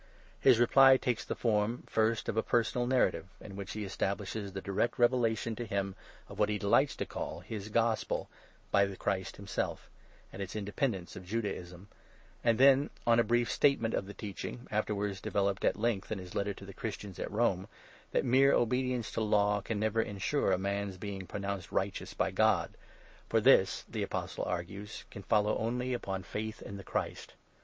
His reply takes the form, first, of a personal narrative in which he establishes the direct revela tion to him of what he delights to call ' his Gospel ' by the Christ himself, and its independence of Judaism; and, then, of a brief statement of the teaching (afterwards developed at length in his Letter to the Christians at Rome) that mere obedience to Law can never ensure a man's being 'pronounced righteous ' fryTibd ; for this, the Apostle argues, can follow only upon faith in the Christ.